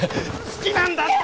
好きなんだよ！